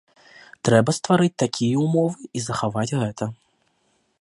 Трэба стварыць такія ўмовы і захаваць гэта.